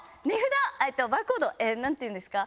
バーコード何て言うんですか？